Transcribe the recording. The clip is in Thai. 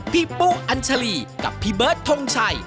ปุ๊อัญชาลีกับพี่เบิร์ดทงชัย